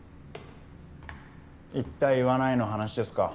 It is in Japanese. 「言った言わない」の話ですか。